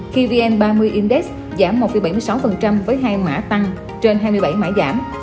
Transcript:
khi vn ba mươi index giảm một bảy mươi sáu với hai mã tăng trên hai mươi bảy mã giảm